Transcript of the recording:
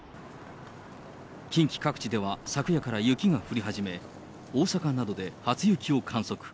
近畿各地では昨夜から雪が降り始め、大阪などで初雪を観測。